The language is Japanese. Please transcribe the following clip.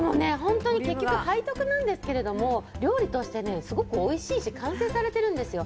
結局、背徳なんですけど、料理としてすごくおいしいし完成されているんですよ。